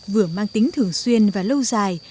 vừa mang tính thường xuyên và lâu dài